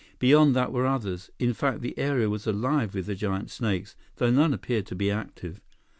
Beyond that were others; in fact, the area was alive with the giant snakes, though none appeared to be active.